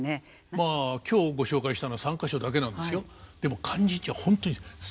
まあ今日ご紹介したのは３か所だけなんですよ。